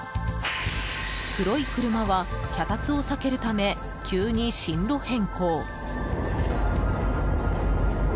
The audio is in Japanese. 黒い車は脚立を避けるため急に進路変更。